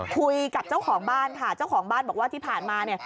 คุยกับเจ้าของบ้านค่ะเจ้าของบ้านบอกว่าที่ผ่านมาเนี่ย